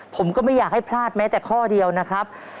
ผมก็ไม่อยากให้พลาดแม้แต่ข้อเดียวนะครับ